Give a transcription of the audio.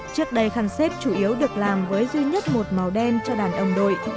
trước đây khăn xếp chủ yếu được làm với duy nhất một màu đen cho đàn ông đội